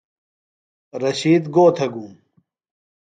رشید گو تھےۡ گُوم؟